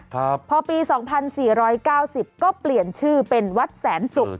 ครับพอปี๒๔๙๐ก็เปลี่ยนชื่อเป็นวัดแสนศุกร์